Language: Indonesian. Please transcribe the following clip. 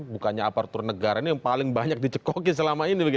bukannya apartur negara ini yang paling banyak dicekoki selama ini